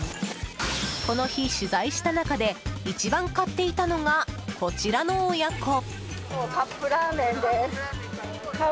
この日、取材した中で一番買っていたのがこちらの親子。